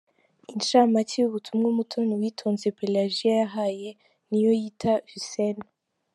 Inshamake y’ubutumwa Umutoni Uwitonze Pelajiya yahaye Niyoyita Hussein.